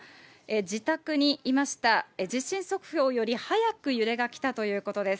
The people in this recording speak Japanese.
自宅にいました、地震速報より早く揺れが来たということです。